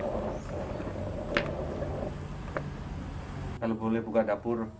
kalau boleh buka dapur